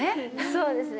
そうですね。